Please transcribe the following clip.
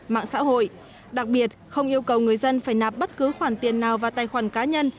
mạng xã hội đặc biệt không yêu cầu người dân phải nạp bất cứ khoản tiền nào và tài khoản cá nhân